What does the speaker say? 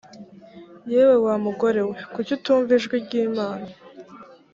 yewe wa mugore we, kuki utumva ijwi ry’imana?